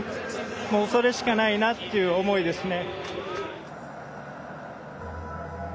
もうそれしかないなという思いですね。